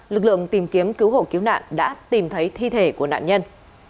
lực lượng tìm kiếm cứu hộ cứu nạn đã tìm thấy thi thể của nạn nhân